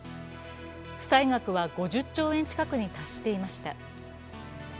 負債額は５０兆円近くに達していました。